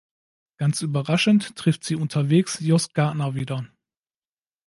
Ganz überraschend trifft sie unterwegs Joss Gardner wieder.